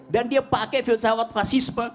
dan dia pakai filsafat fasisme